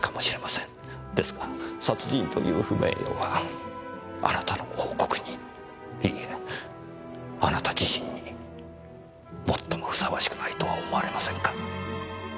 ですが殺人という不名誉はあなたの王国にいいえあなた自身に最もふさわしくないとは思われませんか？